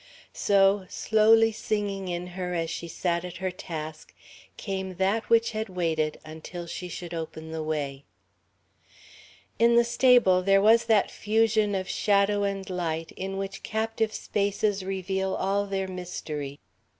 So, slowly singing in her as she sat at her task, came that which had waited until she should open the way.... In the stable there was that fusion of shadow and light in which captive spaces reveal all their mystery.